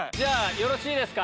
よろしいですか？